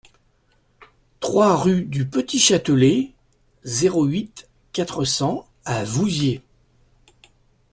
trois rue du Petit Châtelet, zéro huit, quatre cents à Vouziers